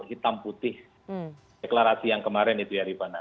hitam putih deklarasi yang kemarin itu ya rifana